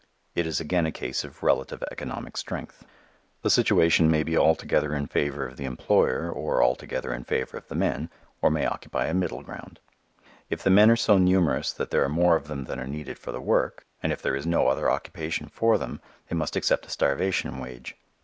It is again a case of relative "economic strength." The situation may be altogether in favor of the employer or altogether in favor of the men, or may occupy a middle ground. If the men are so numerous that there are more of them than are needed for the work, and if there is no other occupation for them they must accept a starvation wage.